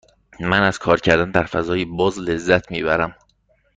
من از کار کردن در فضای باز لذت می برم.